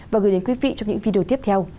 và gửi đến quý vị trong những video tiếp theo